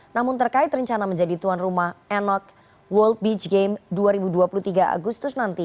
namun terkait rencana menjadi tuan rumah enoc world beach game dua ribu dua puluh tiga agustus nanti